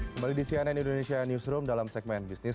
kembali di cnn indonesia newsroom dalam segmen bisnis